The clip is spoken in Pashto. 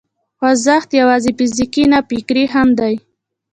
خوځښت یوازې فزیکي نه، فکري هم دی.